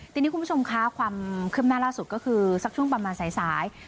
ทีนี้คุณผู้ชมคะความคืบหน้าล่าสุดก็คือสักช่วงประมาณสาย